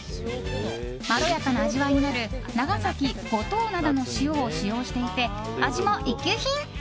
まろやかな味わいになる長崎・五島灘の塩を使用していて味も一級品。